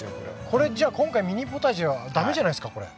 これじゃあ今回ミニポタジェは駄目じゃないですかこれ。